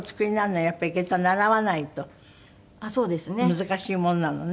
難しいものなのね。